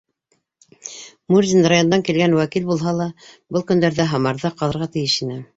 Мурзин райондан килгән вәкил булһа ла, был көндәрҙә Һамарҙа ҡалырға тейеш ине.